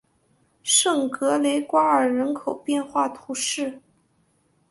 圣格雷瓜尔人口变化图示